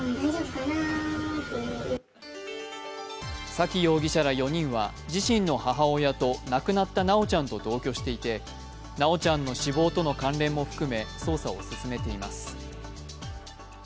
沙喜容疑者ら４人は自身の母親と亡くなった修ちゃんと同居していて修ちゃんの死亡との関連も含め捜査を続けています。